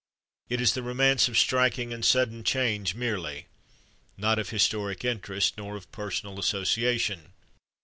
It is the romance of striking and sudden change merely, not of historic interest, nor of personal association.